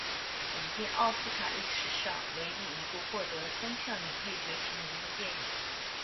本片奥斯卡历史上唯一一部获得三项女配角提名的电影。